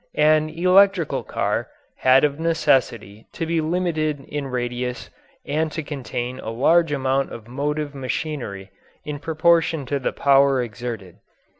An electrical car had of necessity to be limited in radius and to contain a large amount of motive machinery in proportion to the power exerted.